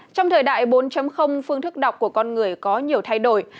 trong thời đại bốn phương thức đọc của con người có nhiều thay đổi